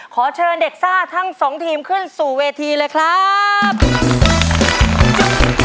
ขอเชิญเด็กซ่าทั้งสองทีมขึ้นสู่เวทีเลยครับ